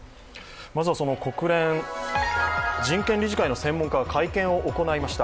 まずは、その国連人権理事会の専門家が会見を行いました、